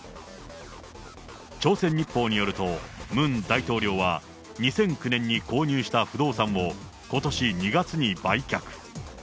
朝鮮日報によると、ムン大統領は２００９年に購入した不動産をことし２月に売却。